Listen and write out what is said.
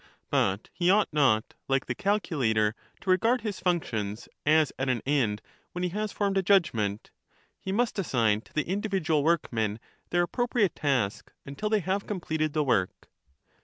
But he ought not, like the calculator, to regard his Statesman. functions as at an end when he has formed a judgment ;— Strahce«, he must assign to the individual workmen their appropriate ^SauT«s. task until they have completed the work.